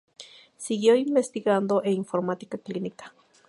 Siguió investigando en informática clínica.